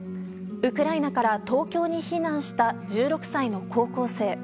ウクライナから東京に避難した１６歳の高校生。